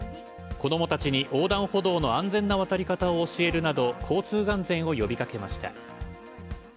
子供たちに横断歩道の安全な渡り方を教えるなど交通安全を呼びかけました。